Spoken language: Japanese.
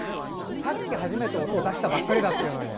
さっき初めて音を出したばっかりだっていうのに。